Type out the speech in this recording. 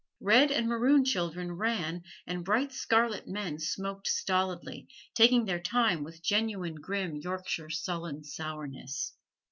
Red and maroon children ran, and bright scarlet men smoked stolidly, taking their time with genuine grim Yorkshire sullen sourness.